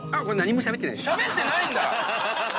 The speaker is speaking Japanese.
しゃべってないんだ